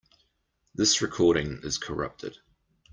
This recording is corrupted.